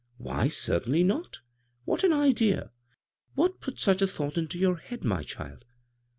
" "Why, certainly not! What an idea! What put such a thought into your head, my child?"